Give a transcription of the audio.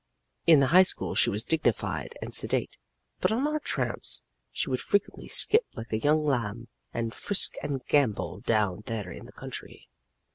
In the High School she was dignified and sedate, but on our tramps she would frequently skip like a young lamb, and frisk and gambol down there in the country.